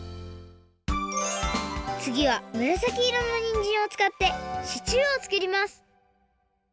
つぎはむらさきいろのにんじんをつかってシチューをつくります！